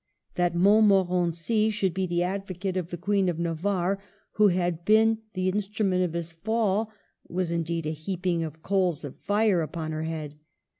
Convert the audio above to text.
That Montmorency should be the advocate of the Queen of Navarre, who had been the instrument of his fall, was indeed a heaping of coals of fire upon her head.